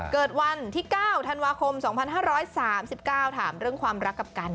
เกิดวันที่๙ธันวาคม๒๕๓๙ถามเรื่องความรักกับกัน